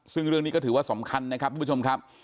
ซึ่งเรื่องนี้ก็ถือว่าสำคัญนะครับทุกผู้ชมครับ